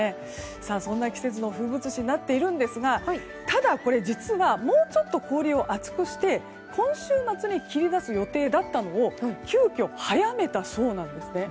そんな季節の風物詩になっているんですがただ、実はもうちょっと氷を厚くして今週末に切り出す予定だったのを急きょ早めたそうなんですね。